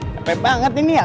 capek banget ini ya